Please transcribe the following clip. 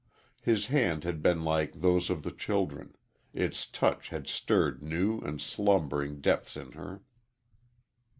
His hand had been like those of the children its touch had stirred new and slumbering depths in her.